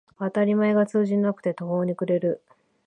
当たり前が通じなくて途方に暮れる